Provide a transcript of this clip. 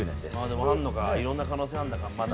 でもあるのか色んな可能性あるのかまだ。